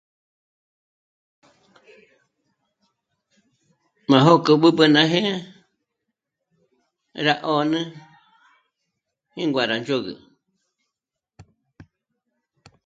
Má jókò b'ǚb'ü ná jé'e 'é rá 'ö̀nü ínguà'a rá ndzhôgü